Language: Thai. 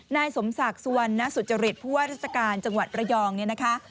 นายสมศักดิ์สุวรรณสุจริตผู้ว่าราชการจังหวัดระยองเนี่ยนะคะ